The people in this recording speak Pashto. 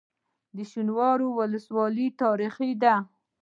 د شینوارو ولسوالۍ تاریخي ده